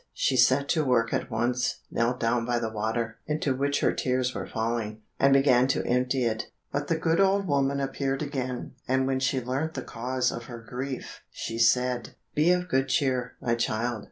She set to work at once, knelt down by the water, into which her tears were falling, and began to empty it. But the good old woman appeared again, and when she learnt the cause of her grief, she said, "Be of good cheer, my child.